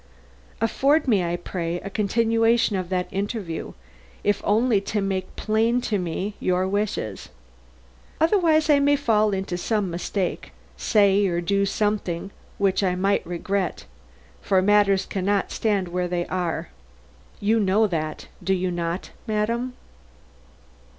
Afford me, I pray, a continuation of that interview, if only to make plain to me your wishes. Otherwise I may fall into some mistake say or do something which I might regret for matters can not stand where they are. You know that, do you not, madam?"